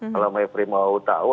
kalau maverick mau tahu